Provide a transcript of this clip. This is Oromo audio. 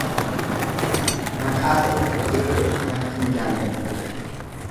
Maqaa keetiif jedheen, rakkina jaalladhe.